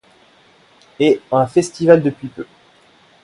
Et un festival depuis peu.